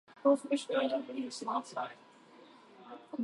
表情を見ても非常に落ち着いているように見えます。